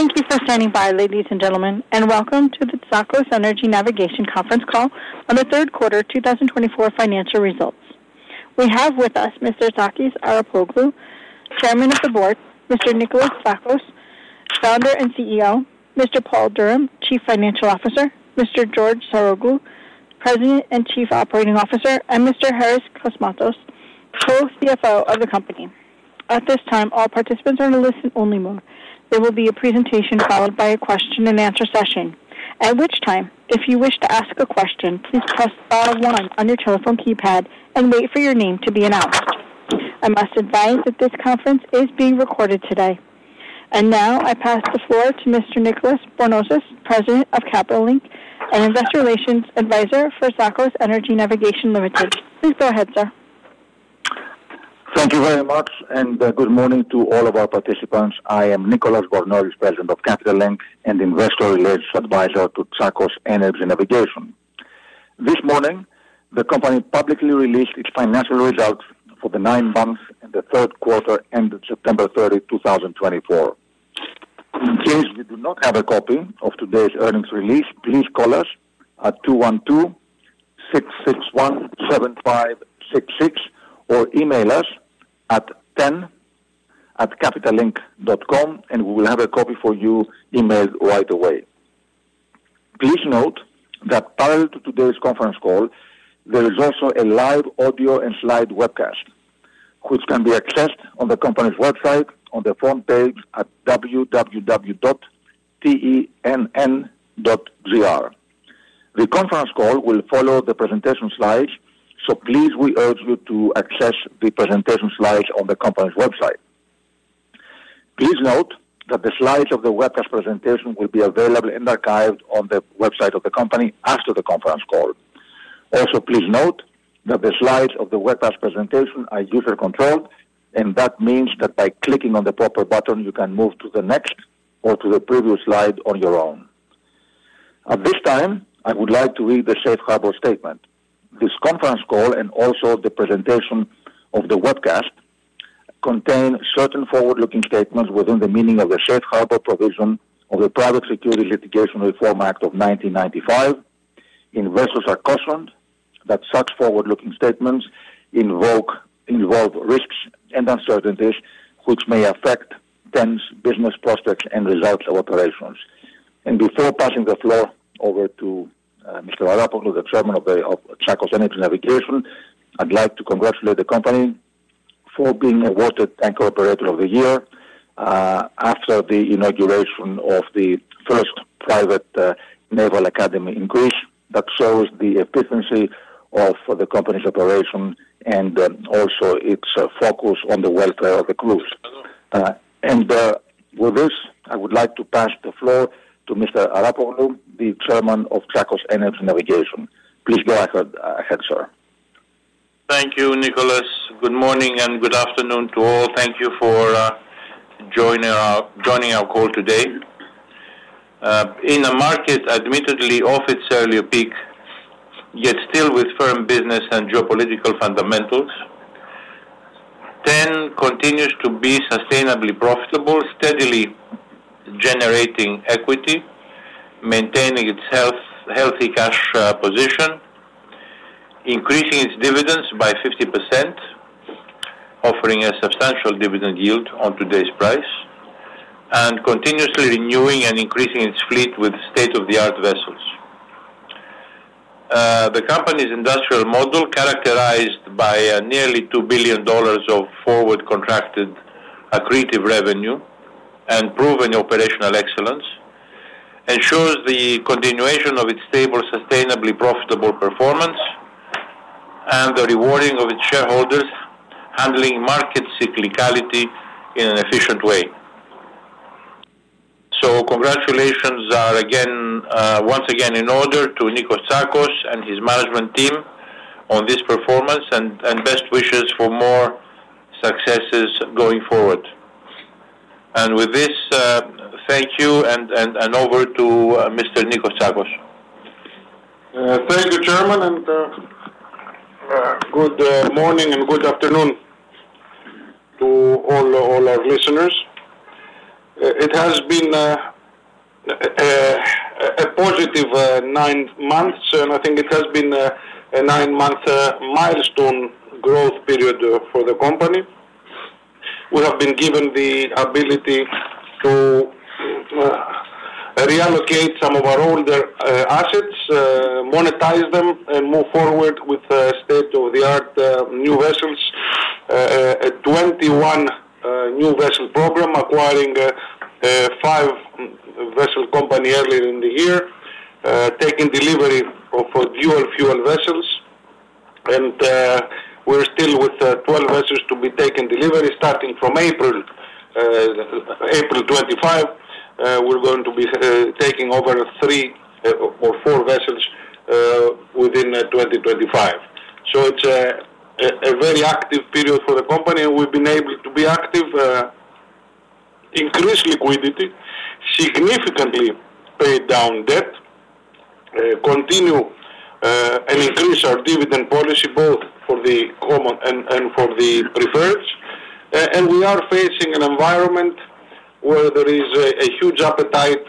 Thank you for standing by, ladies and gentlemen, and welcome to the Tsakos Energy Navigation Conference call on the third quarter 2024 financial results. We have with us Mr. Takis Arapoglou, Chairman of the Board, Mr. Nikolas Tsakos, Founder and CEO, Mr. Paul Durham, Chief Financial Officer, Mr. George Saroglou, President and Chief Operating Officer, and Mr. Harrys Kosmatos, Co-CFO of the company. At this time, all participants are in a listen-only mode. There will be a presentation followed by a question-and-answer session, at which time, if you wish to ask a question, please press star one on your telephone keypad and wait for your name to be announced. I must advise that this conference is being recorded today. And now I pass the floor to Mr. Nicolas Bornozis, President of Capital Link and Investor Relations Advisor for Tsakos Energy Navigation Limited. Please go ahead, sir. Thank you very much, and good morning to all of our participants. I am Nicolas Bornozis, President of Capital Link and Investor Relations Advisor to Tsakos Energy Navigation. This morning, the company publicly released its financial results for the nine months and the third quarter ended September 30, 2024. In case you do not have a copy of today's earnings release, please call us at 212-661-7566 or email us at ten@capitallink.com, and we will have a copy for you emailed right away. Please note that, parallel to today's conference call, there is also a live audio and slide webcast, which can be accessed on the company's website on the front page at www.tenn.gr. The conference call will follow the presentation slides, so please we urge you to access the presentation slides on the company's website. Please note that the slides of the webcast presentation will be available and archived on the website of the company after the conference call. Also, please note that the slides of the webcast presentation are user-controlled, and that means that by clicking on the proper button, you can move to the next or to the previous slide on your own. At this time, I would like to read the Safe Harbor Statement. This conference call and also the presentation of the webcast contain certain forward-looking statements within the meaning of the Safe Harbor Provision of the Private Securities Litigation Reform Act of 1995. Investors are cautioned that such forward-looking statements involve risks and uncertainties which may affect TEN's business prospects and results of operations, and before passing the floor over to Mr. Arapoglou, the Chairman of Tsakos Energy Navigation, I'd like to congratulate the company for being awarded Tank Operator of the Year after the inauguration of the first private naval academy in Greece. That shows the efficiency of the company's operation and also its focus on the welfare of the crews. And with this, I would like to pass the floor to Mr. Arapoglou, the Chairman of Tsakos Energy Navigation. Please go ahead, sir. Thank you, Nicholas. Good morning and good afternoon to all. Thank you for joining our call today. In a market admittedly off its earlier peak, yet still with firm business and geopolitical fundamentals, TEN continues to be sustainably profitable, steadily generating equity, maintaining its healthy cash position, increasing its dividends by 50%, offering a substantial dividend yield on today's price, and continuously renewing and increasing its fleet with state-of-the-art vessels. The company's industrial model, characterized by nearly $2 billion of forward contracted accretive revenue and proven operational excellence, ensures the continuation of its stable, sustainably profitable performance and the rewarding of its shareholders, handling market cyclicality in an efficient way. So congratulations once again in order to Nikolas Tsakos and his management team on this performance and best wishes for more successes going forward. And with this, thank you and over to Mr. Nikolas Tsakos. Thank you, Chairman, and good morning and good afternoon to all our listeners. It has been a positive nine months, and I think it has been a nine-month milestone growth period for the company. We have been given the ability to reallocate some of our older assets, monetize them, and move forward with state-of-the-art new vessels, a 21 new vessel program, acquiring five vessel companies earlier in the year, taking delivery of dual-fuel vessels, and we're still with 12 vessels to be taken delivery starting from April 25. We're going to be taking over three or four vessels within 2025, so it's a very active period for the company. We've been able to be active, increase liquidity, significantly pay down debt, continue and increase our dividend policy both for the common and for the preferreds. We are facing an environment where there is a huge appetite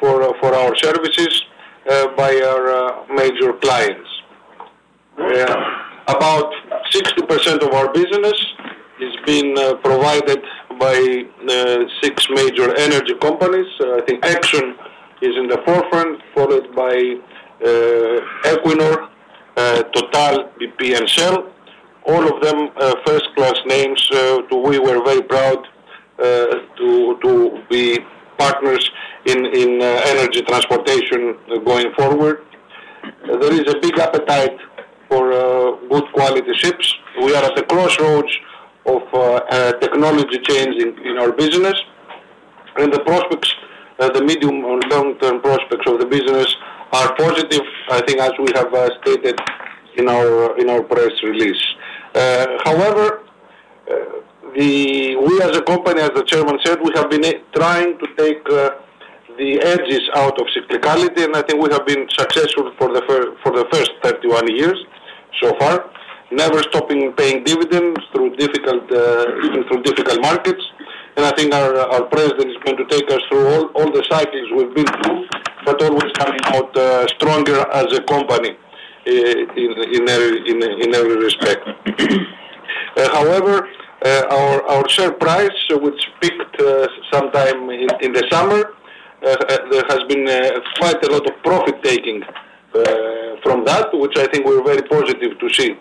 for our services by our major clients. About 60% of our business is being provided by six major energy companies. I think Exxon is in the forefront, followed by Equinor, Total, BP, and Shell. All of them first-class names to which we were very proud to be partners in energy transportation going forward. There is a big appetite for good quality ships. We are at the crossroads of technology changing in our business. The prospects, the medium and long-term prospects of the business are positive, I think, as we have stated in our press release. However, we as a company, as the Chairman said, we have been trying to take the edges out of cyclicality, and I think we have been successful for the first 31 years so far, never stopping paying dividends even through difficult markets. I think our President is going to take us through all the cycles we've been through, but always coming out stronger as a company in every respect. However, our share price, which peaked sometime in the summer. There has been quite a lot of profit-taking from that, which I think we're very positive to see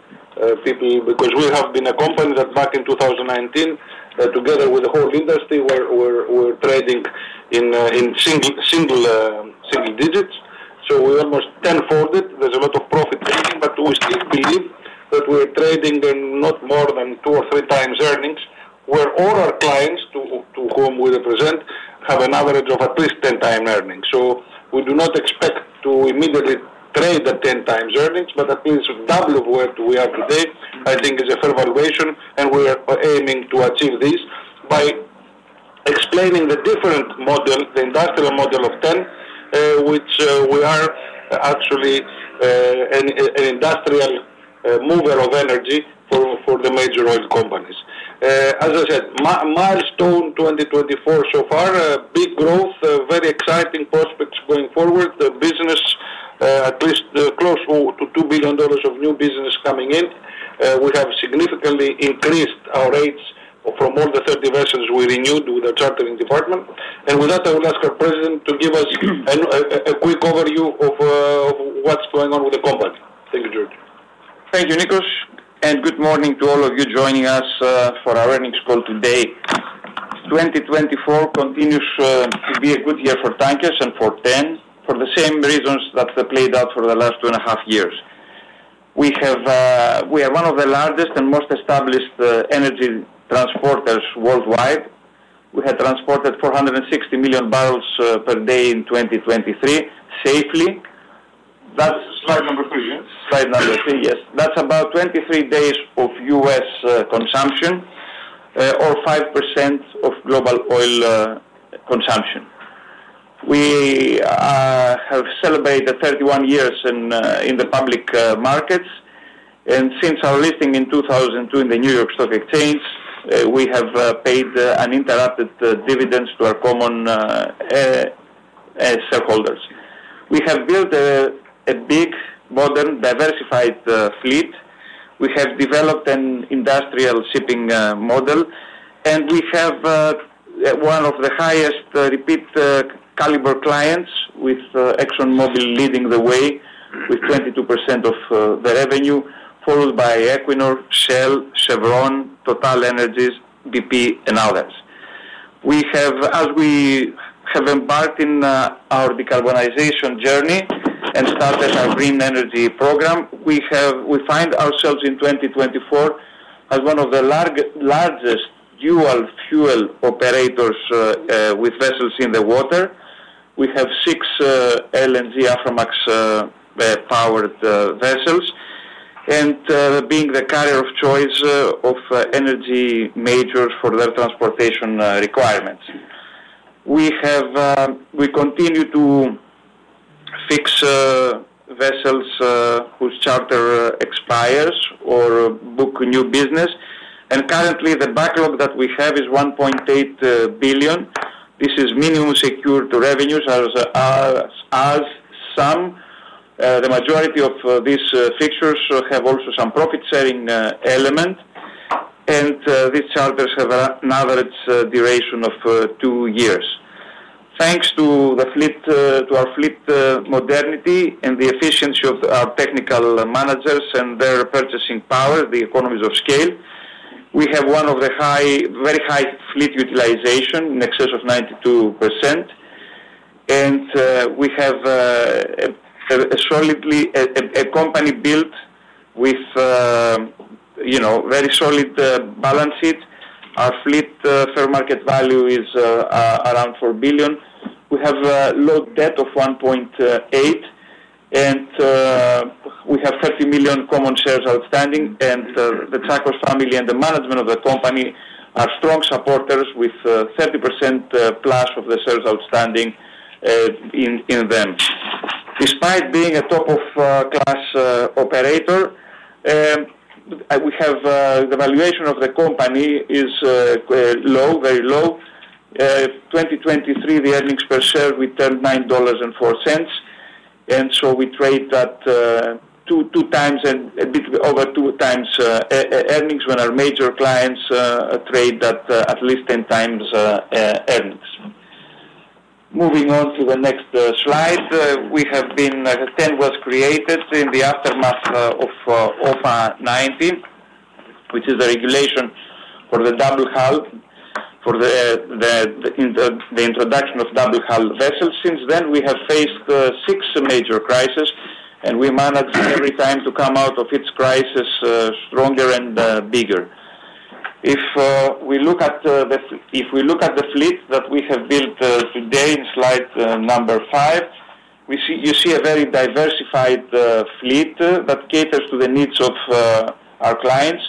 because we have been a company that back in 2019, together with the whole industry, we're trading in single digits. We almost tenfolded. There's a lot of profit-taking, but we still believe that we're trading not more than two or three times earnings, where all our clients to whom we represent have an average of at least ten-time earnings. So we do not expect to immediately trade the ten-times earnings, but at least double where we are today, I think is a fair valuation, and we are aiming to achieve this by explaining the different model, the industrial model of TEN, which we are actually an industrial mover of energy for the major oil companies. As I said, milestone 2024 so far, big growth, very exciting prospects going forward, business at least close to $2 billion of new business coming in. We have significantly increased our rates from all the 30 vessels we renewed with our chartering department. And with that, I will ask our President to give us a quick overview of what's going on with the company. Thank you, George. Thank you, Nicholas. Good morning to all of you joining us for our earnings call today. 2024 continues to be a good year for tankers and for TEN for the same reasons that played out for the last two and a half years. We are one of the largest and most established energy transporters worldwide. We had transported 460 million barrels per day in 2023 safely. That's. Slide number three, yes? Slide number three, yes. That's about 23 days of U.S. consumption or 5% of global oil consumption. We have celebrated 31 years in the public markets. And since our listing in 2002 in the New York Stock Exchange, we have paid uninterrupted dividends to our common shareholders. We have built a big, modern, diversified fleet. We have developed an industrial shipping model, and we have one of the highest repeat-caliber clients with ExxonMobil leading the way with 22% of the revenue, followed by Equinor, Shell, Chevron, TotalEnergies, BP, and others. As we have embarked on our decarbonization journey and started our green energy program, we find ourselves in 2024 as one of the largest dual-fuel operators with vessels in the water. We have six LNG Aframax-powered vessels and being the carrier of choice of energy majors for their transportation requirements. We continue to fix vessels whose charter expires or book new business. Currently, the backlog that we have is $1.8 billion. This is minimum secured revenues, as the majority of these fixtures have also some profit-sharing element, and these charters have an average duration of two years. Thanks to our fleet modernity and the efficiency of our technical managers and their purchasing power, the economies of scale, we have one of the very high fleet utilization in excess of 92%. We have a company built with very solid balance sheets. Our fleet fair market value is around $4 billion. We have a low debt of $1.8 billion, and we have 30 million common shares outstanding. The Tsakos family and the management of the company are strong supporters with 30% plus of the shares outstanding in them. Despite being a top-of-class operator, the valuation of the company is low, very low. In 2023, the earnings per share returned $9.04, and so we trade that two times and a bit over two times earnings when our major clients trade at least 10 times earnings. Moving on to the next slide, TEN was created in the aftermath of OPA 90, which is the regulation for the double hull, for the introduction of double hull vessels. Since then, we have faced six major crises, and we managed every time to come out of each crisis stronger and bigger. If we look at the fleet that we have built today in slide number five, you see a very diversified fleet that caters to the needs of our clients,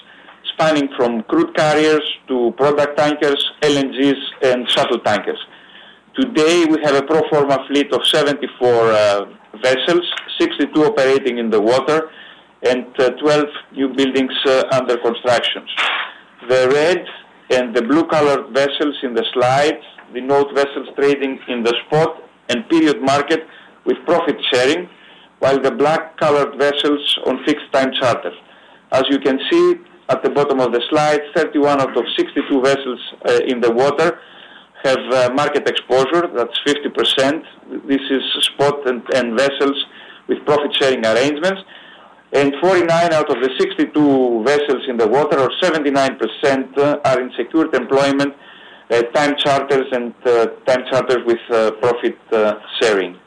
spanning from crude carriers to product tankers, LNGs, and shuttle tankers. Today, we have a pro forma fleet of 74 vessels, 62 operating in the water, and 12 new buildings under construction. The red and the blue-colored vessels in the slide denote vessels trading in the spot and period market with profit-sharing, while the black-colored vessels on fixed-time charters. As you can see at the bottom of the slide, 31 out of 62 vessels in the water have market exposure. That's 50%. This is spot and vessels with profit-sharing arrangements. And 49 out of the 62 vessels in the water, or 79%, are in secured employment, time charters, and time charters with profit-sharing.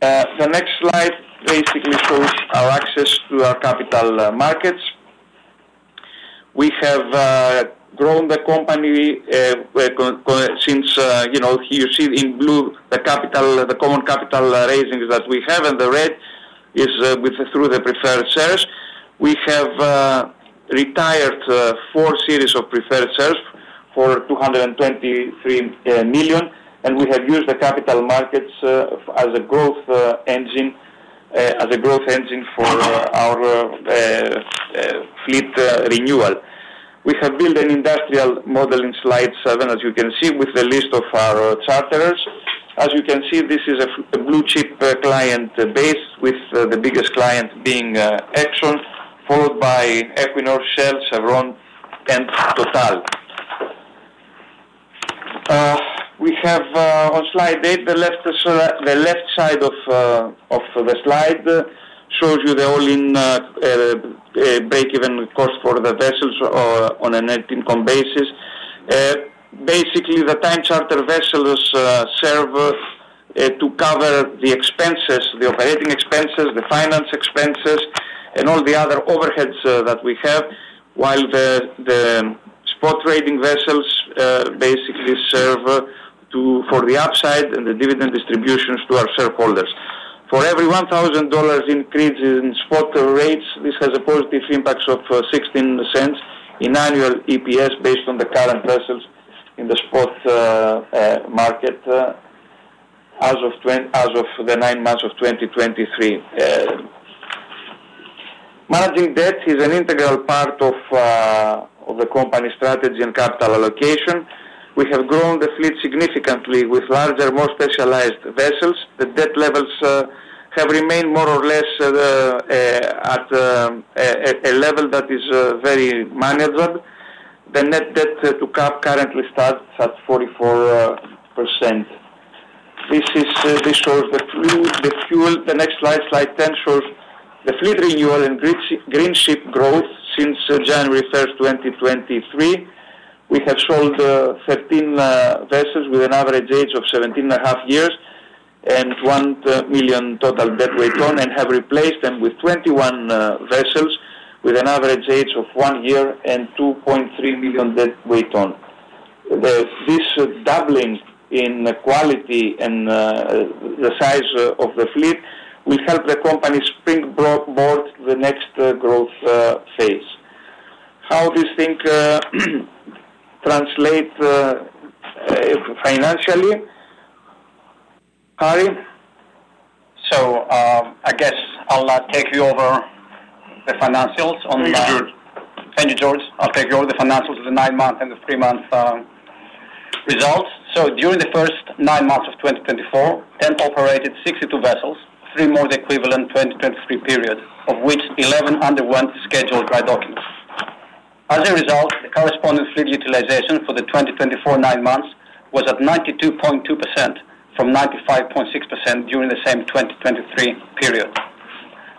The next slide basically shows our access to our capital markets. We have grown the company since you see in blue the common capital raisings that we have, and the red is through the preferred shares. We have retired four series of preferred shares for $223 million, and we have used the capital markets as a growth engine for our fleet renewal. We have built an industrial model in slide seven, as you can see, with the list of our charterers. As you can see, this is a blue-chip client base, with the biggest client being Exxon, followed by Equinor, Shell, Chevron, and Total. On slide eight, the left side of the slide shows you the all-in break-even cost for the vessels on a net income basis. Basically, the time charter vessels serve to cover the operating expenses, the finance expenses, and all the other overheads that we have, while the spot trading vessels basically serve for the upside and the dividend distributions to our shareholders. For every $1,000 increase in spot rates, this has a positive impact of $0.16 in annual EPS based on the current vessels in the spot market as of the nine months of 2023. Managing debt is an integral part of the company's strategy and capital allocation. We have grown the fleet significantly with larger, more specialized vessels. The debt levels have remained more or less at a level that is very manageable. The net debt to cap currently starts at 44%. This shows the fuel. The next slide, slide 10, shows the fleet renewal and green ship growth since January 1st, 2023. We have sold 13 vessels with an average age of 17 and a half years and 1 million total deadweight, and have replaced them with 21 vessels with an average age of one year and 2.3 million deadweight. This doubling in quality and the size of the fleet will help the company springboard the next growth phase. How do you think translate financially? Harrys? So, I guess I'll take you over the financials on. Thank you, George. Thank you, George. I'll take you over the financials of the nine-month and the three-month results, so during the first nine months of 2024, TEN operated 62 vessels, three more than the equivalent 2023 period, of which 11 underwent scheduled dry docking. As a result, the corresponding fleet utilization for the 2024 nine months was at 92.2% from 95.6% during the same 2023 period.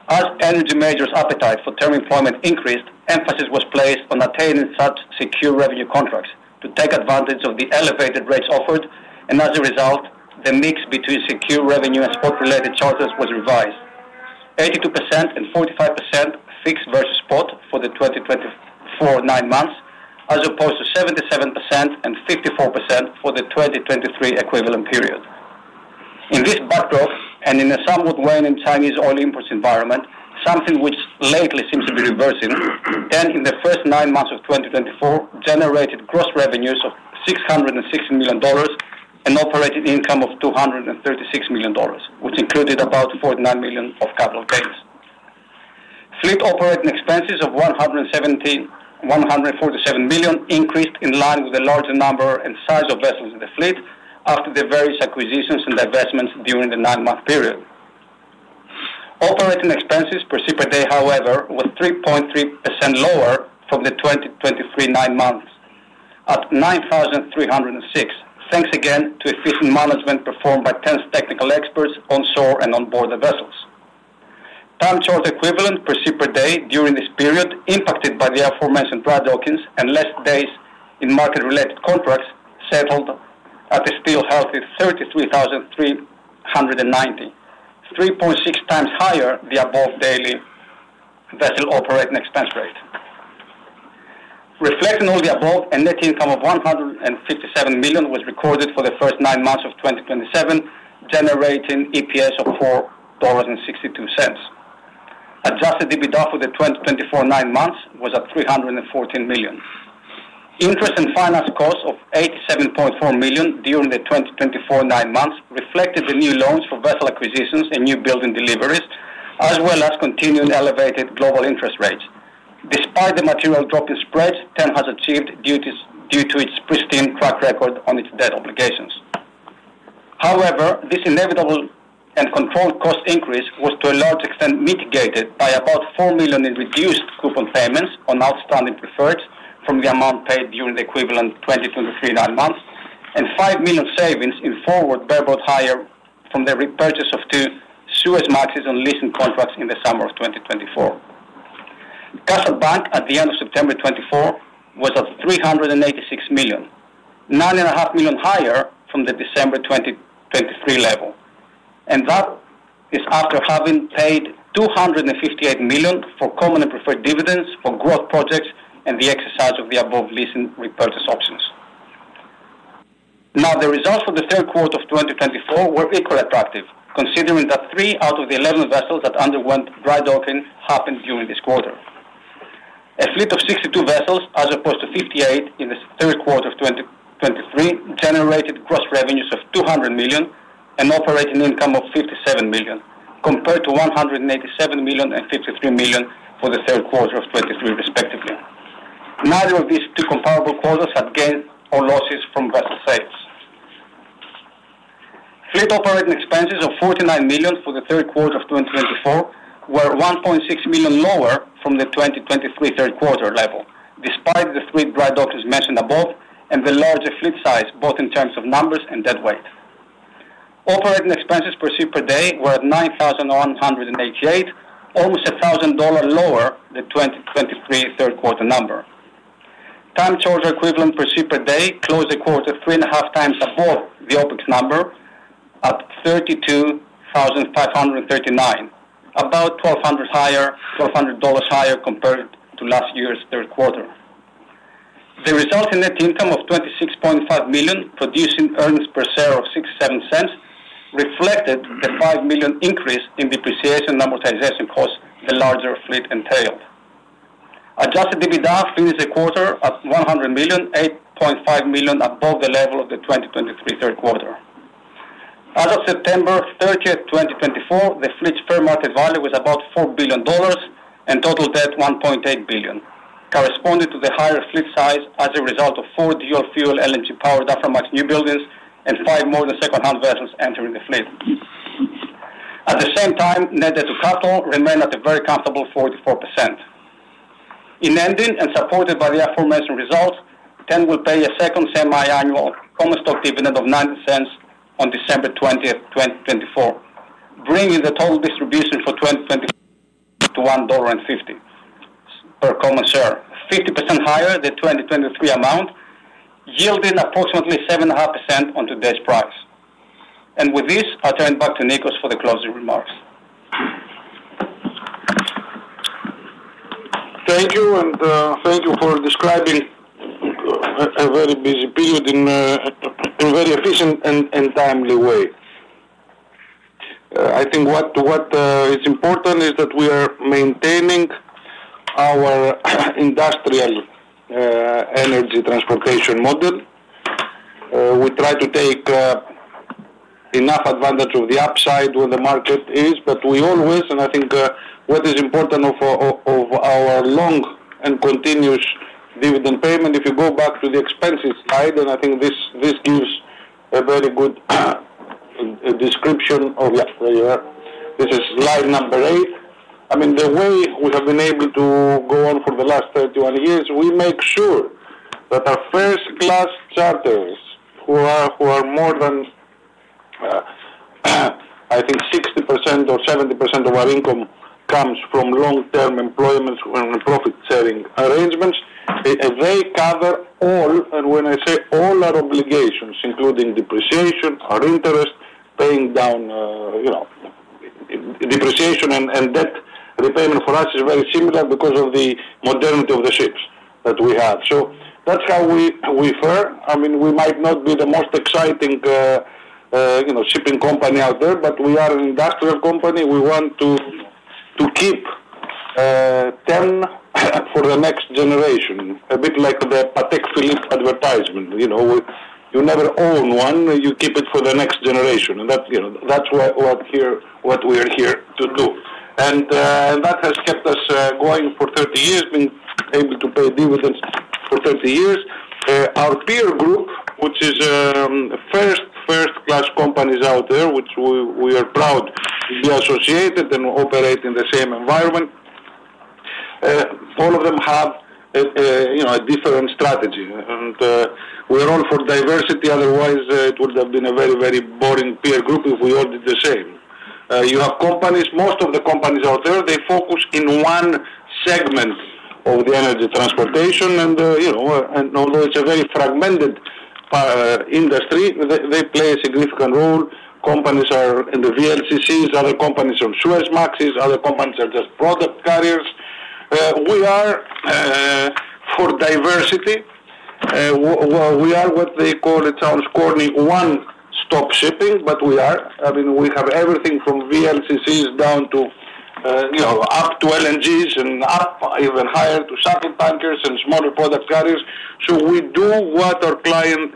As energy majors' appetite for term employment increased, emphasis was placed on attaining such secure revenue contracts to take advantage of the elevated rates offered, and as a result, the mix between secure revenue and spot-related charters was revised: 82% and 45% fixed versus spot for the 2024 nine months, as opposed to 77% and 54% for the 2023 equivalent period. In this backdrop, and in a somewhat waning Chinese oil imports environment, something which lately seems to be reversing, TEN in the first nine months of 2024 generated gross revenues of $616 million and operating income of $236 million, which included about $49 million of capital gains. Fleet operating expenses of $147 million increased in line with the larger number and size of vessels in the fleet after the various acquisitions and divestments during the nine-month period. Operating expenses per ship per day, however, were 3.3% lower from the 2023 nine months at $9,306, thanks again to efficient management performed by TEN's technical experts onshore and onboard the vessels. Time charter equivalent per ship per day during this period, impacted by the aforementioned dry dockings and less days in market-related contracts, settled at a still healthy $33,390, 3.6 times higher than the above daily vessel operating expense rate. Reflecting all the above, a net income of $157 million was recorded for the first nine months of 2027, generating EPS of $4.62. Adjusted EBITDA for the 2024 nine months was at $314 million. Interest and finance costs of $87.4 million during the 2024 nine months reflected the new loans for vessel acquisitions and new building deliveries, as well as continuing elevated global interest rates. Despite the material drop in spreads, TEN has met its duties due to its pristine track record on its debt obligations. However, this inevitable and controlled cost increase was to a large extent mitigated by about $4 million in reduced coupon payments on outstanding preferreds from the amount paid during the equivalent 2023 nine months and $5 million savings in forward bareboat hire from the repurchase of two Suezmaxes on leasing contracts in the summer of 2024. Cash at bank, at the end of September 2024, was at $386 million, $9.5 million higher from the December 2023 level, and that is after having paid $258 million for common and preferred dividends for growth projects and the exercise of the above leasing repurchase options. Now, the results for the third quarter of 2024 were equally attractive, considering that 3 out of the 11 vessels that underwent dry docking happened during this quarter. A fleet of 62 vessels, as opposed to 58 in the third quarter of 2023, generated gross revenues of $200 million and operating income of $57 million, compared to $187 million and $53 million for the third quarter of 2023, respectively. Neither of these two comparable quarters had gains or losses from vessel sales. Fleet operating expenses of $49 million for the third quarter of 2024 were 1.6 million lower from the 2023 third quarter level, despite the three dry dockings mentioned above and the larger fleet size, both in terms of numbers and deadweight. Operating expenses per ship per day were at $9,188, almost $1,000 lower than the 2023 third quarter number. Time charter equivalent per ship per day closed the quarter three and a half times above the opex number at $32,539, about $1,200 higher compared to last year's third quarter. The resulting net income of $26.5 million, producing earnings per share of $0.67, reflected the $5 million increase in depreciation and amortization costs the larger fleet entailed. Adjusted EBITDA finished the quarter at $100 million, $8.5 million above the level of the 2023 third quarter. As of September 30th, 2024, the fleet's fair market value was about $4 billion and total debt $1.8 billion, corresponding to the higher fleet size as a result of four dual-fuel LNG-powered Aframax newbuildings and five more second-hand vessels entering the fleet. At the same time, net debt to capital remained at a very comfortable 44%. In ending and supported by the aforementioned results, TEN will pay a second semi-annual common stock dividend of $0.90 on December 20th, 2024, bringing the total distribution for 2024 to $1.50 per common share, 50% higher than 2023 amount, yielding approximately 7.5% on today's price. With this, I turn back to Nikos for the closing remarks. Thank you, and thank you for describing a very busy period in a very efficient and timely way. I think what is important is that we are maintaining our industrial energy transportation model. We try to take enough advantage of the upside where the market is, but we always, and I think what is important of our long and continuous dividend payment. If you go back to the expenses slide, and I think this gives a very good description of, yeah, there you are. This is slide number eight. I mean, the way we have been able to go on for the last 31 years, we make sure that our first-class charters, who are more than, I think, 60% or 70% of our income, come from long-term employment and profit-sharing arrangements. They cover all, and when I say all, our obligations, including depreciation, our interest, paying down depreciation and debt repayment for us is very similar because of the modernity of the ships that we have. So that's how we fare. I mean, we might not be the most exciting shipping company out there, but we are an industrial company. We want to keep TEN for the next generation, a bit like the Patek Philippe advertisement. You never own one; you keep it for the next generation. And that's what we are here to do. And that has kept us going for 30 years, being able to pay dividends for 30 years. Our peer group, which is first-class companies out there, which we are proud to be associated and operate in the same environment, all of them have a different strategy. And we are all for diversity. Otherwise, it would have been a very, very boring peer group if we all did the same. You have companies. Most of the companies out there, they focus in one segment of the energy transportation. And although it's a very fragmented industry, they play a significant role. Companies are in the VLCCs, other companies on Suezmaxes, other companies are just product carriers. We are, for diversity, we are what they call, it sounds corny, one-stop shipping, but we are. I mean, we have everything from VLCCs down to up to LNGs and up even higher to shuttle tankers and smaller product carriers. So we do what our client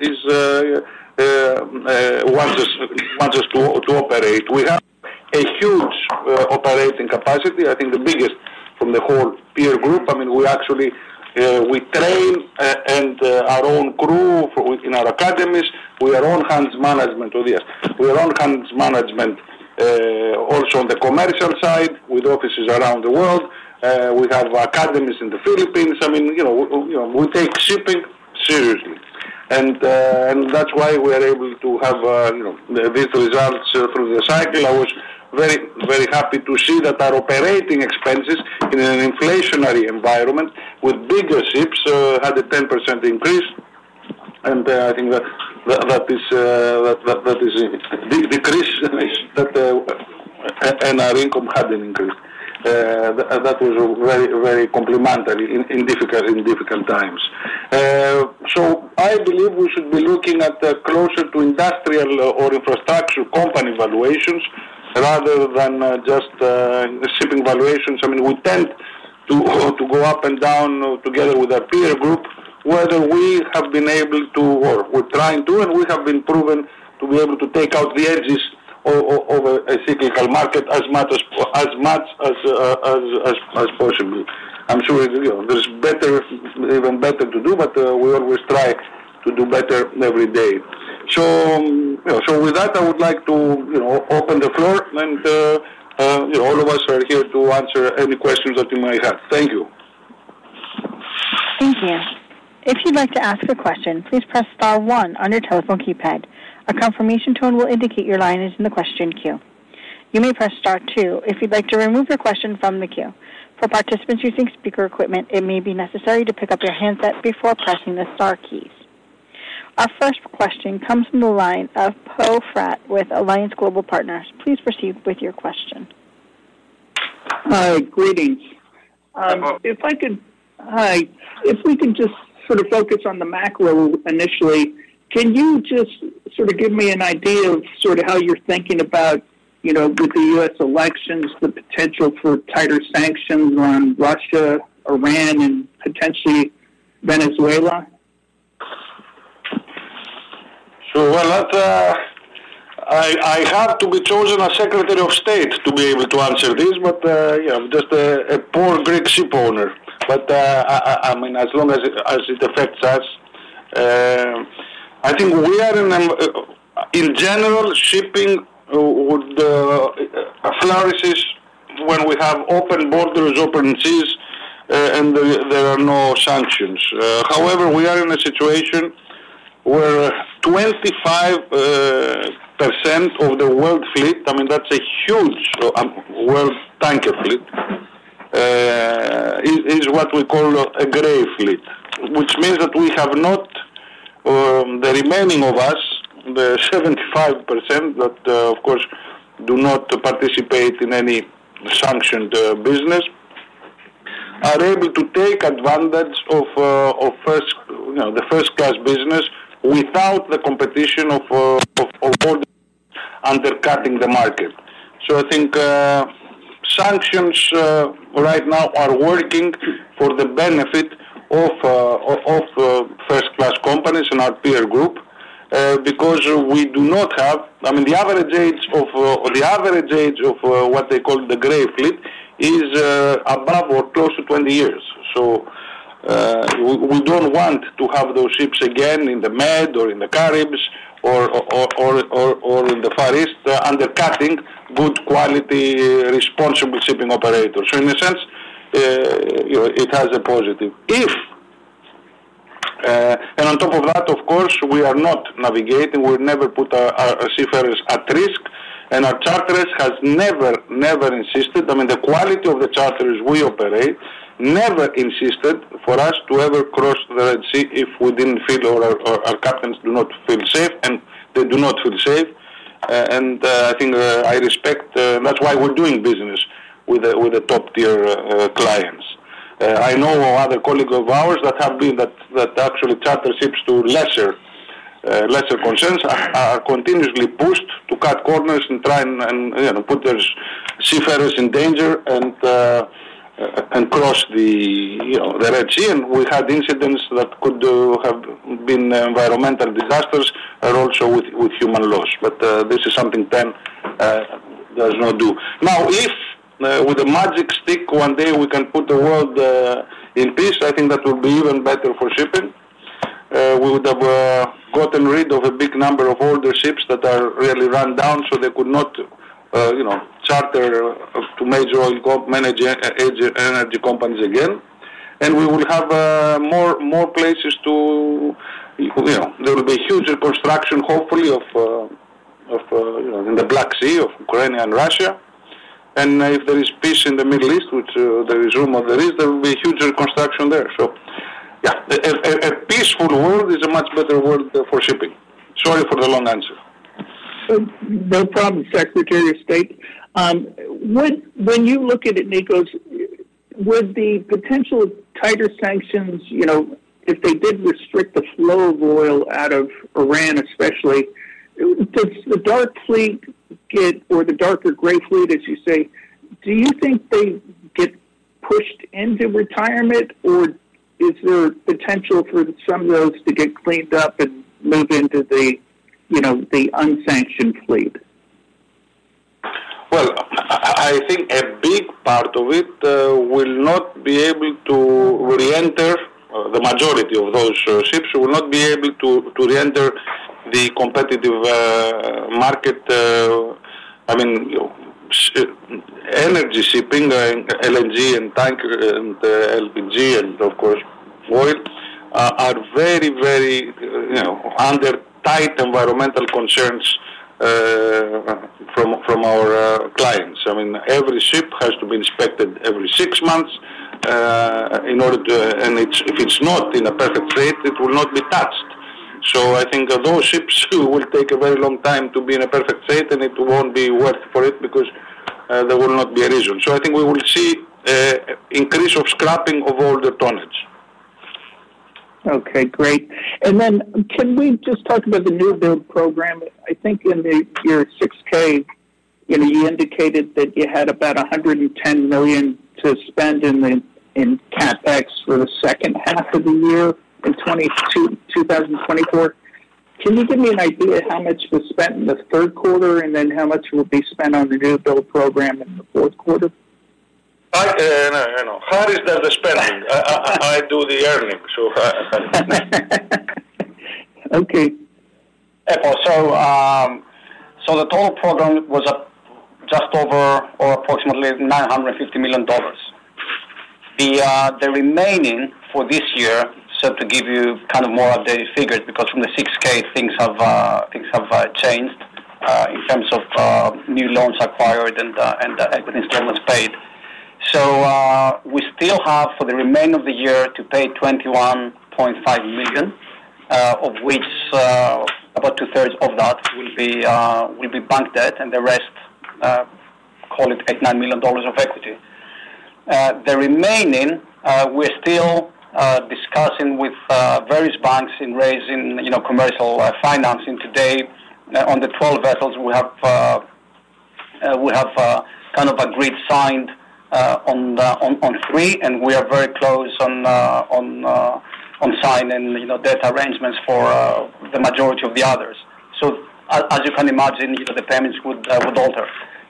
wants us to operate. We have a huge operating capacity. I think the biggest from the whole peer group. I mean, we actually train our own crew in our academies. We have hands-on management of this. We have hands-on management also on the commercial side with offices around the world. We have academies in the Philippines. I mean, we take shipping seriously, and that's why we are able to have these results through the cycle. I was very, very happy to see that our operating expenses in an inflationary environment with bigger ships had a 10% increase, and I think that is a decrease in our income hadn't increased. That was very, very complimentary in difficult times, so I believe we should be looking at closer to industrial or infrastructure company valuations rather than just shipping valuations. I mean, we tend to go up and down together with our peer group, whether we have been able to, or we're trying to, and we have been proven to be able to take out the edges of a cyclical market as much as possible. I'm sure there's even better to do, but we always try to do better every day. So with that, I would like to open the floor. And all of us are here to answer any questions that you may have. Thank you. Thank you. If you'd like to ask a question, please press star one on your telephone keypad. A confirmation tone will indicate your line is in the question queue. You may press star two if you'd like to remove your question from the queue. For participants using speaker equipment, it may be necessary to pick up your handset before pressing the star keys. Our first question comes from the line of Poe Fratt with Alliance Global Partners. Please proceed with your question. Hi. Greetings. If I could, hi. If we can just sort of focus on the macro initially, can you just sort of give me an idea of sort of how you're thinking about with the U.S. elections, the potential for tighter sanctions on Russia, Iran, and potentially Venezuela? Sure. Well, I have to be chosen as Secretary of State to be able to answer this, but just a poor Greek ship owner. But I mean, as long as it affects us, I think we are in general, shipping flourishes when we have open borders, open seas, and there are no sanctions. However, we are in a situation where 25% of the world fleet, I mean, that's a huge world tanker fleet, is what we call a gray fleet, which means that the remaining of us, the 75% that, of course, do not participate in any sanctioned business, are able to take advantage of the first-class business without the competition of rogues undercutting the market. So I think sanctions right now are working for the benefit of first-class companies in our peer group because we do not have, I mean, the average age of what they call the gray fleet is above or close to 20 years. So we don't want to have those ships again in the Med or in the Caribs or in the Far East undercutting good-quality, responsible shipping operators. So in a sense, it has a positive. And on top of that, of course, we are not navigating. We never put our seafarers at risk. And our charter has never, never insisted. I mean, the quality of the charter we operate never insisted for us to ever cross the Red Sea if we didn't feel or our captains do not feel safe, and they do not feel safe. And I think I respect, that's why we're doing business with the top-tier clients. I know other colleagues of ours that actually charter ships to lesser concerns are continuously pushed to cut corners and try and put their seafarers in danger and cross the Red Sea. And we had incidents that could have been environmental disasters and also with human loss. But this is something TEN does not do. Now, if with a magic stick one day we can put the world in peace, I think that would be even better for shipping. We would have gotten rid of a big number of older ships that are really run down so they could not charter to major oil managing energy companies again. And we will have more places too. There will be huge reconstruction, hopefully, in the Black Sea of Ukraine and Russia. If there is peace in the Middle East, which there is room on the East, there will be huge reconstruction there. Yeah, a peaceful world is a much better world for shipping. Sorry for the long answer. No problem, Secretary of State. When you look at it, Nikos, with the potential of tighter sanctions, if they did restrict the flow of oil out of Iran, especially, does the dark fleet get or the darker gray fleet, as you say, do you think they get pushed into retirement, or is there potential for some of those to get cleaned up and move into the unsanctioned fleet? I think a big part of it will not be able to re-enter. The majority of those ships will not be able to re-enter the competitive market. I mean, energy shipping, LNG and tanker, and LPG, and of course, oil are very, very under tight environmental concerns from our clients. I mean, every ship has to be inspected every six months in order to, and if it's not in a perfect state, it will not be touched. So I think those ships will take a very long time to be in a perfect state, and it won't be worth for it because there will not be a reason. So I think we will see an increase of scrapping of all the tonnage. Okay. Great, and then can we just talk about the new build program? I think in the Q2, you indicated that you had about $110 million to spend in CapEx for the second half of the year in 2024. Can you give me an idea of how much was spent in the third quarter and then how much will be spent on the new build program in the fourth quarter? I don't know. How is that the spending? I do the earning, so. Okay. So the total program was just over or approximately $950 million. The remaining for this year, so to give you kind of more updated figures because from the 6K, things have changed in terms of new loans acquired and the equity statements paid. So we still have for the remainder of the year to pay $21.5 million, of which about two-thirds of that will be bank debt, and the rest, call it $89 million of equity. The remaining, we're still discussing with various banks in raising commercial financing. Today, on the 12 vessels, we have kind of agreed signed on three, and we are very close on signing debt arrangements for the majority of the others. So as you can imagine, the payments would alter.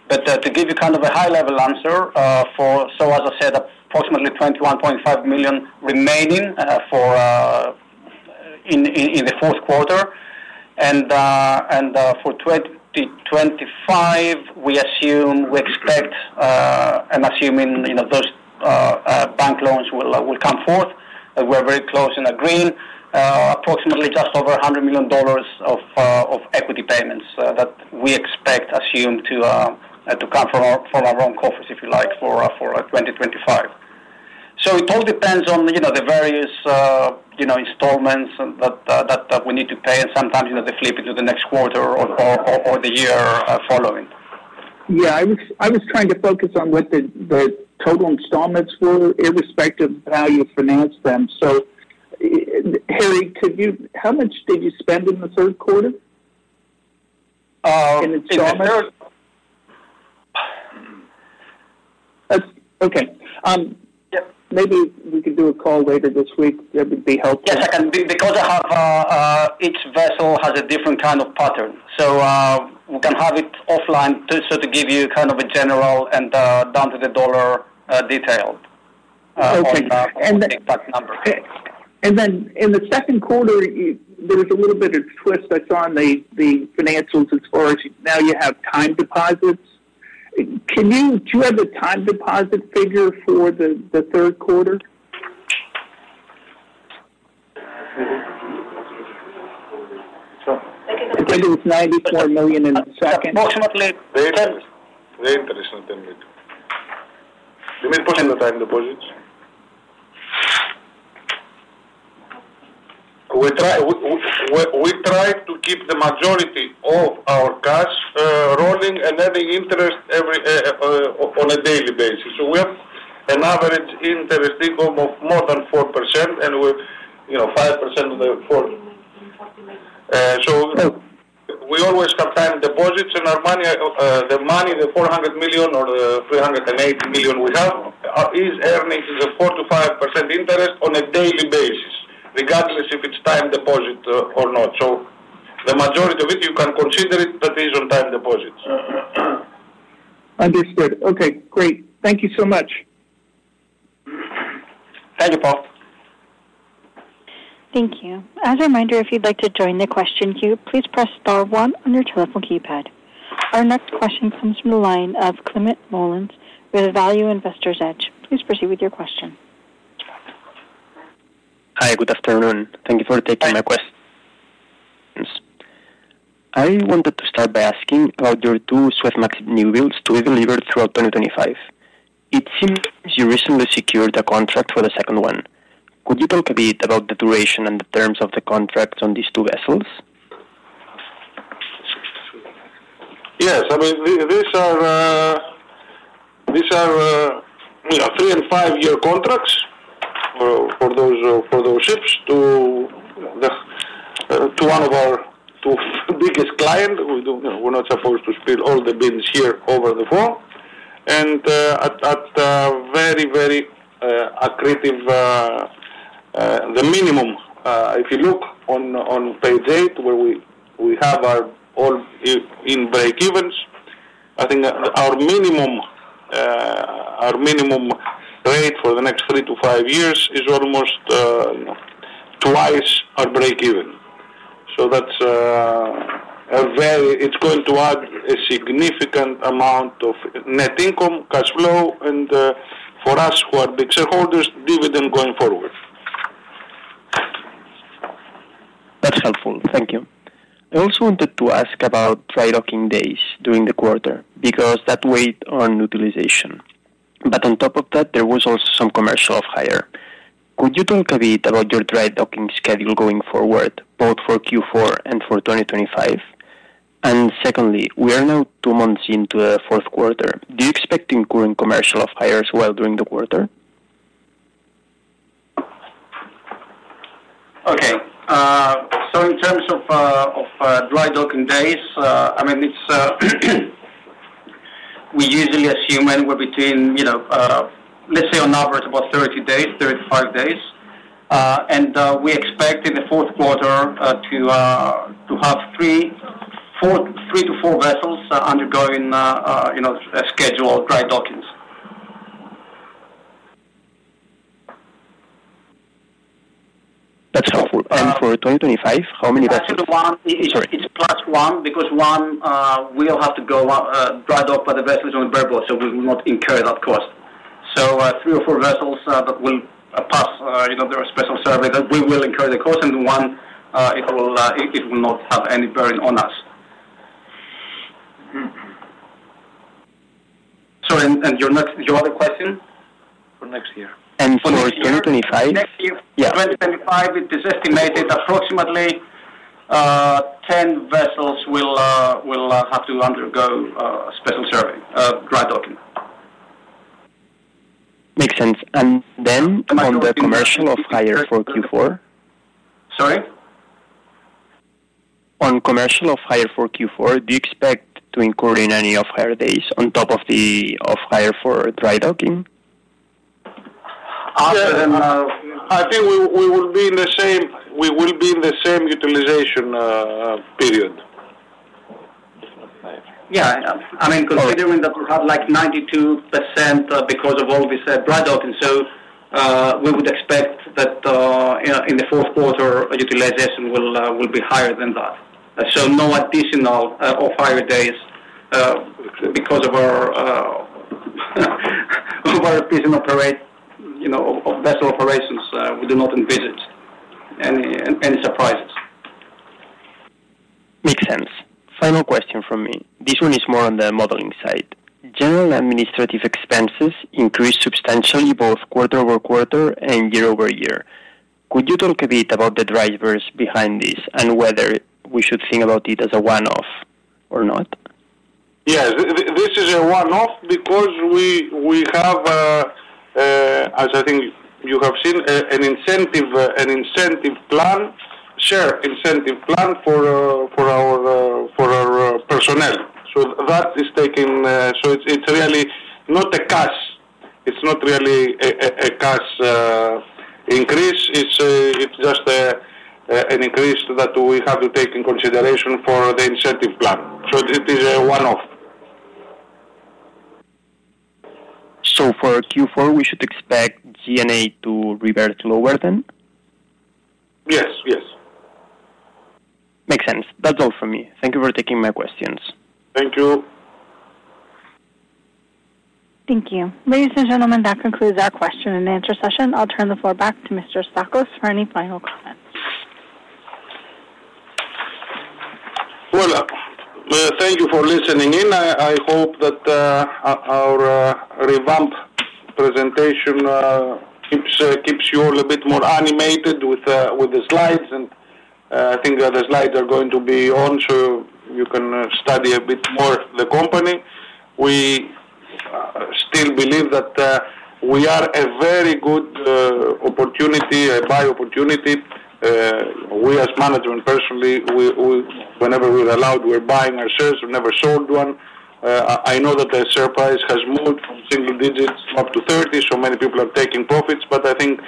But to give you kind of a high-level answer, so as I said, approximately $21.5 million remaining in the fourth quarter. And for 2025, we expect, and assuming those bank loans will come forth, we're very close in a green, approximately just over $100 million of equity payments that we expect, assume to come from our own coffers, if you like, for 2025. So it all depends on the various installments that we need to pay, and sometimes they flip into the next quarter or the year following. Yeah. I was trying to focus on what the total installments were irrespective of how you finance them. So Harrys, how much did you spend in the third quarter in installments? Okay. Maybe we could do a call later this week. That would be helpful. Yes, I can. Because each vessel has a different kind of pattern. So we can have it offline just to give you kind of a general and down-to-the-dollar detail. Okay. And. Exact number. Then in the second quarter, there was a little bit of twist I saw in the financials as far as now you have time deposits. Do you have a time deposit figure for the third quarter? I think it was $94 million in the second. Approximately 10. Very interesting thing. Do you mean pushing the time deposits? We try to keep the majority of our cash rolling and having interest on a daily basis. So we have an average interest income of more than 4% and 5% of the 4. So we always have time deposits, and the money, the $400 million or $380 million we have, is earning the 4%-5% interest on a daily basis, regardless if it's time deposit or not. So the majority of it, you can consider it that is on time deposits. Understood. Okay. Great. Thank you so much. Thank you, Paul. Thank you. As a reminder, if you'd like to join the question queue, please press star one on your telephone keypad. Our next question comes from the line of Climent Molins with Value Investor's Edge. Please proceed with your question. Hi. Good afternoon. Thank you for taking my question. I wanted to start by asking about your two Suezmax new builds to be delivered throughout 2025. It seems you recently secured a contract for the second one. Could you talk a bit about the duration and the terms of the contract on these two vessels? Yes. I mean, these are three- and five-year contracts for those ships to one of our two biggest clients. We're not supposed to spill all the beans here over the phone. And at very, very accretive, the minimum, if you look on page 8, where we have all-in breakevens, I think our minimum rate for the next three to five years is almost twice our breakeven. So it's going to add a significant amount of net income, cash flow, and for us who are big shareholders, dividend going forward. That's helpful. Thank you. I also wanted to ask about dry docking days during the quarter because that weighed on utilization, but on top of that, there was also some commercial off-hire. Could you talk a bit about your dry docking schedule going forward, both for Q4 and for 2025? And secondly, we are now two months into the fourth quarter. Do you expect to incur in commercial off-hires while during the quarter? Okay, so in terms of dry docking days, I mean, we usually assume anywhere between, let's say, on average, about 30 days, 35 days, and we expect in the fourth quarter to have three to four vessels undergoing a scheduled dry dockings. That's helpful. And for 2025, how many vessels? It's plus one because one will have to go dry dock by the vessels on the bareboat, so we will not incur that cost. So three or four vessels that will pass their special survey, we will incur the cost, and one it will not have any bearing on us. Sorry. And your other question? For next year. For 2025? Yeah. 2025, it is estimated approximately 10 vessels will have to undergo a special survey, dry docking. Makes sense, and then on the commercial off-hire for Q4? Sorry? On commercial off-hire for Q4, do you expect to incur any off-hire days on top of the off-hire for dry docking? I think we will be in the same utilization period. Yeah. I mean, considering that we have like 92% because of all this dry docking, so we would expect that in the fourth quarter, utilization will be higher than that. So no additional off-hire days because of our vessel operations, we do not envisage any surprises. Makes sense. Final question from me. This one is more on the modeling side. General administrative expenses increase substantially both quarter over quarter and year over year. Could you talk a bit about the drivers behind this and whether we should think about it as a one-off or not? Yes. This is a one-off because we have, as I think you have seen, an incentive plan, share incentive plan for our personnel. So that is taken so it's really not a cash. It's not really a cash increase. It's just an increase that we have to take in consideration for the incentive plan. So it is a one-off. For Q4, we should expect G&A to revert lower then? Yes. Yes. Makes sense. That's all from me. Thank you for taking my questions. Thank you. Thank you. Ladies and gentlemen, that concludes our question and answer session. I'll turn the floor back to Mr. Tsakos for any final comments. Thank you for listening in. I hope that our revamped presentation keeps you all a bit more animated with the slides. I think the slides are going to be on so you can study a bit more the company. We still believe that we are a very good opportunity, a buy opportunity. We, as management personally, whenever we're allowed, we're buying ourselves. We've never sold one. I know that the share price has moved from single digits up to 30, so many people are taking profits. I think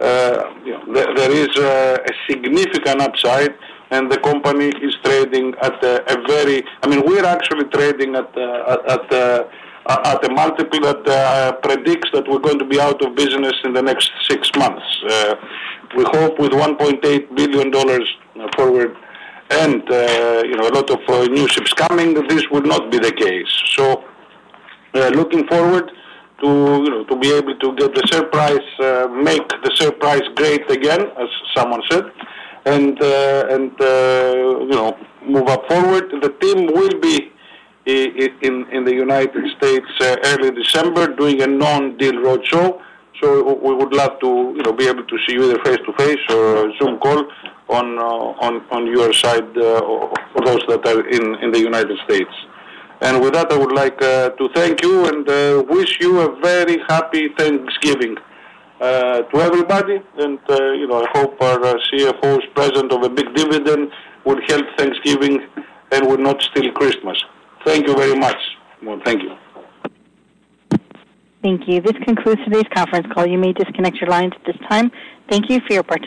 there is a significant upside, and the company is trading at a very I mean, we're actually trading at a multiple that predicts that we're going to be out of business in the next six months. We hope with $1.8 billion forward and a lot of new ships coming, this will not be the case. Looking forward to be able to get the share price, make the share price great again, as someone said, and move up forward. The team will be in the United States early December doing a non-deal roadshow. We would love to be able to see you either face-to-face or a Zoom call on your side or those that are in the United States. With that, I would like to thank you and wish you a very happy Thanksgiving to everybody. I hope our CFO's presentation of a big dividend would help Thanksgiving and would not steal Christmas. Thank you very much. Thank you. Thank you. This concludes today's conference call. You may disconnect your lines at this time. Thank you for your participation.